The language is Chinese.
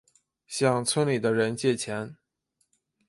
向村里的人借钱